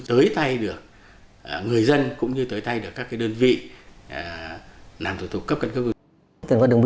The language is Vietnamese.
tới tay được người dân cũng như tới tay được các đơn vị nằm tổ chức cấp cân cấp